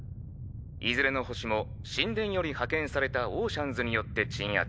いずれの星も神殿より派遣されたオーシャンズによって鎮圧。